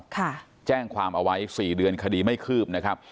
แจ้งความเอาไว้สี่เดือนคดีไม่คืบนะครับ